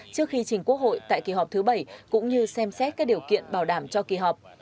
trước khi trình quốc hội tại kỳ họp thứ bảy cũng như xem xét các điều kiện bảo đảm cho kỳ họp